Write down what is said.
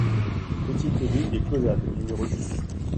Petite Rue des Clauzades au numéro dix